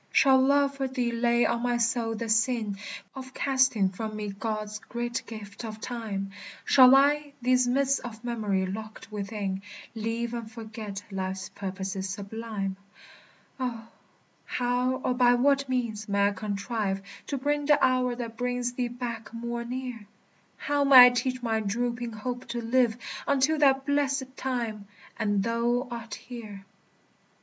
Shall love for thee lay on my soul the sin Of casting from me God's great gift of time? Shall I, these mists of memory locked within, Leave and forget life's purposes sublime? O, how or by what means may I contrive To bring the hour that brings thee back more near? How may I teach my drooping hope to live Until that blessèd time, and thou art here?